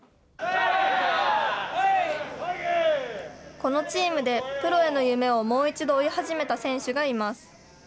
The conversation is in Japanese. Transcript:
このチームでプロへの夢をもう一度追い始めた選手がいます。